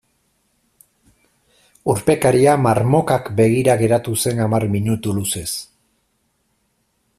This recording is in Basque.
Urpekaria marmokak begira geratu zen hamar minutu luzez.